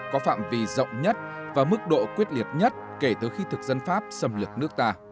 có phạm vi rộng nhất và mức độ quyết liệt nhất kể từ khi thực dân pháp xâm lược nước ta